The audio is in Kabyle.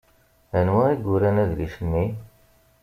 Anwa i yuran adlis-nni?